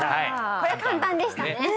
これ簡単でしたね